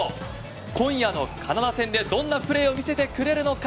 今夜のカナダ戦でどんなプレーを見せてくれるのか。